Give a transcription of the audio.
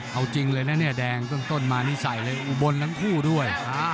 เอาจริงเลยนะเนี่ยแดงต้นมานี่ใส่เลยอุบลทั้งคู่ด้วย